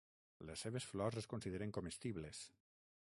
Les seves flors es consideren comestibles.